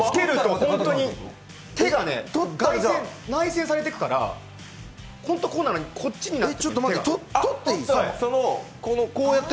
手が内転されていくから、本当にこうなのにこっちになって。